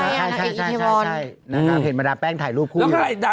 นางเอกอีเทวอนนางทางเห็นมาดามแป๊กถ่ายรูปคู่